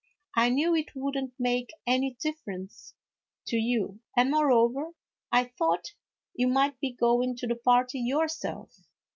I knew it would n't make any difference to you, and, moreover, I thought you might be going to the party yourself."